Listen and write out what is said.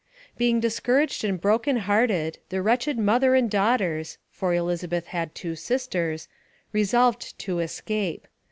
Being discouraged and broken hearted, the wretched mother and daughters (for Elizabeth had two sisters) resolved to escape.